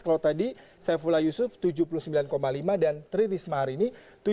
kalau tadi saifullah yusuf tujuh puluh sembilan lima dan tririsma harini tujuh puluh tiga delapan